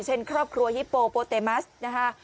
เช่นครอบครัวฮิปโปโปเตมัสนะคะ